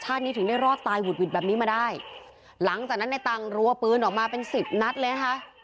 นี้ถึงได้รอดตายหุดหวิดแบบนี้มาได้หลังจากนั้นในตังค์รัวปืนออกมาเป็นสิบนัดเลยนะคะ